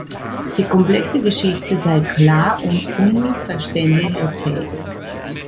Die „komplexe“ Geschichte sei „klar“ und unmissverständlich erzählt.